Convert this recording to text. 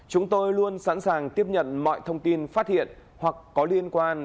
chúng tôi luôn sẵn sàng tiếp nhận mọi thông tin phát hiện hoặc có liên quan